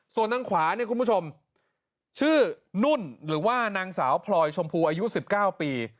ส่วนทางขวาเนี่ยคุณผู้ชมชื่อนุ่นหรือว่านางสาวพลอยชมพูอายุ๑๙ปี